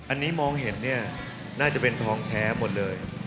อันนี้มองเห็นเนี่ยน่าจะเป็นทองแท้หมดเลย